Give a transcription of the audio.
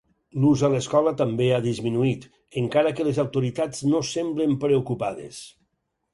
L'ús a l'escola també ha disminuït, encara que les autoritats no semblen preocupades.